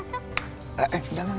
udah ayo kita masuk